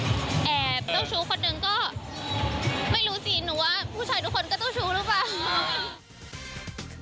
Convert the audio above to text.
แอบเจ้าชู้คนหนึ่งก็ไม่รู้สิหนูว่าผู้ชายทุกคนก็เจ้าชู้หรือเปล่า